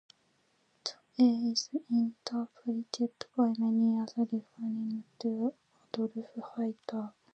The "A" is interpreted by many as referring to Adolf Hitler.